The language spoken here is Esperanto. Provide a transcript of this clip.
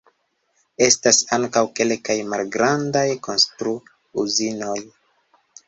Estas ankaŭ kelkaj malgrandaj konstru-uzinoj.